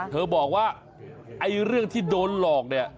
เธอบอกว่าเรื่องที่โดนหลอก